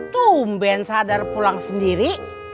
tumben sadar pulang sendiri